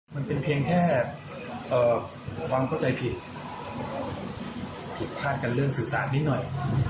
มันเป็นเพียงแค่ความเข้าใจผิดผิดพลาดกันเรื่องสื่อสารนิดหน่อย